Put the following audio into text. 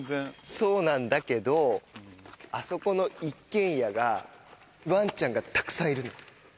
そうなんだけど、あそこの一軒家が、わんちゃんがたくさんいるの。